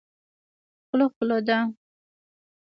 خوله خوله ده.